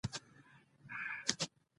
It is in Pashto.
زه غواړم چې یو څه نوی زده کړم.